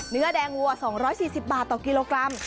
เนื้อแดงวัวสองร้อยสี่สิบบาทต่อกิโลกรัม